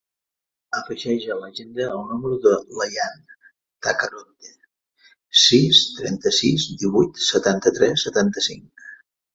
Afegeix a l'agenda el número de l'Ayaan Tacoronte: sis, trenta-sis, divuit, setanta-tres, setanta-cinc.